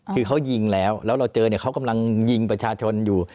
คือเขายิงแล้วแล้วเราเจอเนี่ยเขากำลังยิงประชาชนอยู่